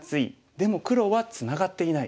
でも黒はツナがっていない。